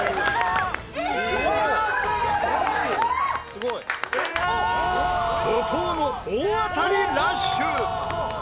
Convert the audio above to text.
すごい！怒濤の大当たりラッシュ！